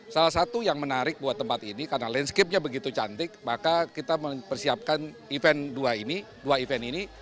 salah satu yang menarik buat tempat ini karena landscape nya begitu cantik maka kita mempersiapkan event dua ini dua event ini